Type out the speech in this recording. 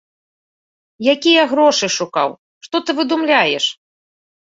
Якія грошы шукаў, што ты выдумляеш!